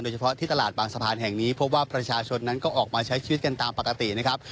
เฉพาะที่ตลาดบางสะพานแห่งนี้พบว่าประชาชนนั้นก็ออกมาใช้ชีวิตกันตามปกตินะครับ